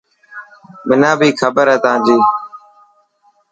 منا بي کبر هي تانجي.